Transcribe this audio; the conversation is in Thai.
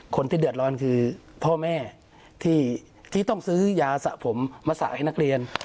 คนที่เดือดร้อนคือพ่อแม่ที่ต้องซื้อยาสะผมมาสระให้นักเรียน